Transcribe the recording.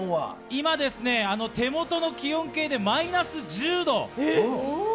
今、今ですね、手元の気温計でマイナス１０度。